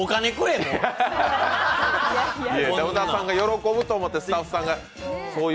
いや、小田さんが喜ぶと思ってスタッフさんが。